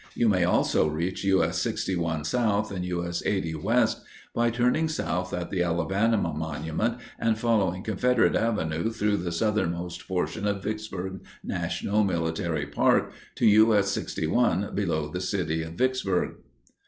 You may also reach U. S. 61 south and U. S. 80 west by turning south at the Alabama Monument and following Confederate Avenue through the southernmost portion of Vicksburg National Military Park to U. S. 61, below the city of Vicksburg.